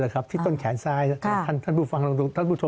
วัคซีนป้องกันวัณรโรคนี่ครับ